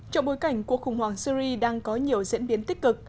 trong bối cảnh cuộc khủng hoảng syri đang có nhiều diễn biến tích cực